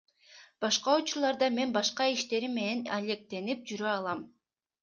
Башка учурларда мен башка иштерим менен алектенип жүрө алам.